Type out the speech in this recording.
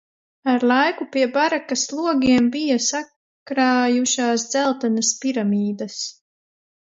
Ar laiku pie barakas logiem bija sakrājušās dzeltenas piramīdas.